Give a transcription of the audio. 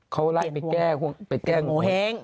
เขาระไปแก้ง